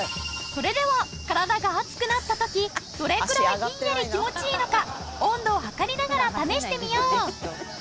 それでは体が熱くなった時どれくらいひんやり気持ちいいのか温度を測りながら試してみよう！